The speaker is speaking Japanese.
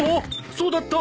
そうだった！